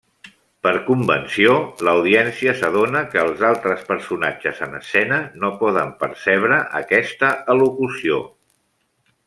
Per convenció, l'audiència s'adona que els altres personatges en escena no poden percebre aquesta elocució.